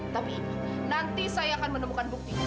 tapi nanti saya akan menemukan bukti